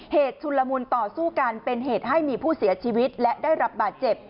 ชุนละมุนต่อสู้กันเป็นเหตุให้มีผู้เสียชีวิตและได้รับบาดเจ็บ